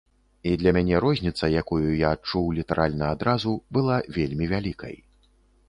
І для мяне розніца, якую я адчуў літаральна адразу, была вельмі вялікай.